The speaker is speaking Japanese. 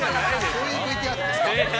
◆そういうＶＴＲですか。